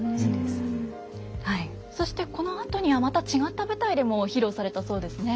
そしてこのあとにはまた違った舞台でも披露されたそうですね。